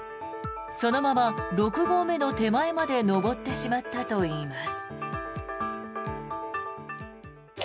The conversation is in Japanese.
そのまま六合目の手前まで登ってしまったといいます。